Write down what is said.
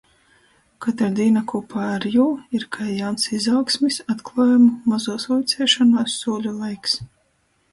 Kotra dīna kūpā ar jū ir kai jauns izaugsmis, atkluojumu, mozūs vuiceišonuos sūļu laiks.